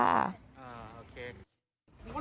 อ่าโอเค